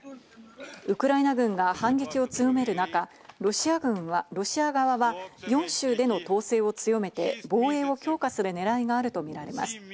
ウクライナ軍が反撃を強める中、ロシア側が４州での統制を強めて防衛を強化するねらいがあるとみられます。